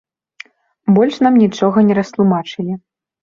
Больш нам нічога не растлумачылі.